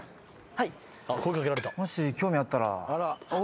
はい。